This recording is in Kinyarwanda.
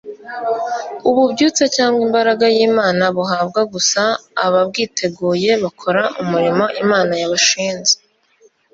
ububyutse cyangwa imbaraga y'imana buhabwa gusa ababwiteguye bakora umurimo imana yabashinze